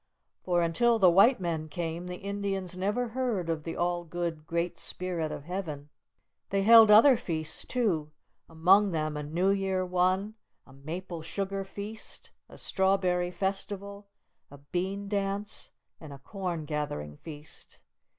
For, until the white men came, the Indians never heard of the all good "Great Spirit" of Heaven. They held other feasts, too, among them a New Year one, a Maple Sugar Feast, a Strawberry Festival, a Bean Dance, and a Corn gathering Feast.